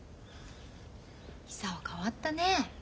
久男変わったね。